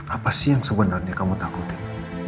apa sih yang sebenarnya kamu takutin